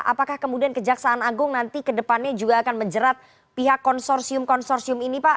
apakah kemudian kejaksaan agung nanti ke depannya juga akan menjerat pihak konsorsium konsorsium ini pak